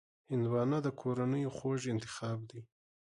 هندوانه د کورنیو خوږ انتخاب دی.